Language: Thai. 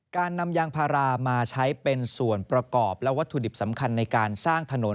การนำยางพารามาใช้เป็นส่วนประกอบและวัตถุดิบสำคัญในการสร้างถนน